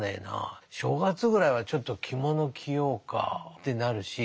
正月ぐらいはちょっと着物着ようかってなるし。